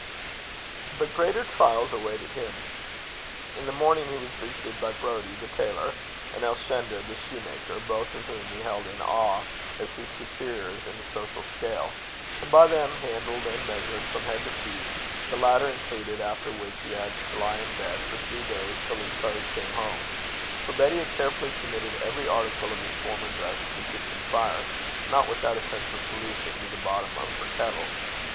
But greater trials awaited him. In the morning he was visited by Brodie, the tailor, and Elshender, the shoemaker, both of whom he held in awe as his superiors in the social scale, and by them handled and measured from head to feet, the latter included; after which he had to lie in bed for three days, till his clothes came home; for Betty had carefully committed every article of his former dress to the kitchen fire, not without a sense of pollution to the bottom of her kettle.